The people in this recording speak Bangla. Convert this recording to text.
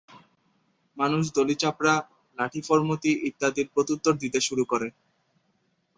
মানুষ দলি-চাপরা, লাঠি-ফর্মুতি ইত্যাদির প্রত্যুত্তর দিতে শুরু করে।